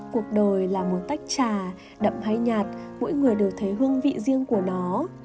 cuộc đời là một tách trà đậm hay nhạt mỗi người đều thấy hương vị riêng của nó